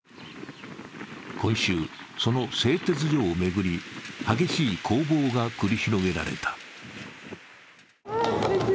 今週、その製鉄所を巡り、激しい攻防が繰り広げられた。